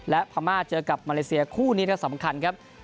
และฮามาเจอกับมาเลเซียคู่นี่แล้วสำคัญครับ